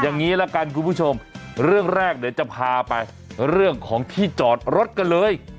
อย่างนี้ละกันคุณผู้ชมเรื่องแรกเดี๋ยวจะพาไปเรื่องของที่จอดรถกันเลย